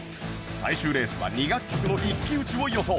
最終レースは２楽曲の一騎打ちを予想